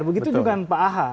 begitu juga pak aha